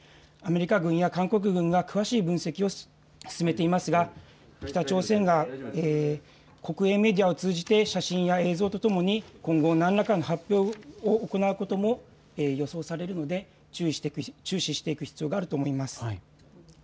アメリカ軍や韓国軍が詳しい分析を進めていますが北朝鮮が国営メディアを通じて写真や映像とともに今後、何らかの発表を行うことも予想されるので注視していく必要があると思います。